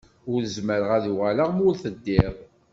Ur zmireɣ ad uɣaleɣ ma ur teddiḍ.